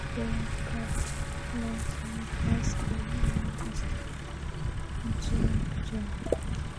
Bell attended Lucy Craft Laney High School in Augusta, Georgia.